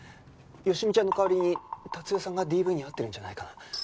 好美ちゃんの代わりに達代さんがＤＶに遭ってるんじゃないかな？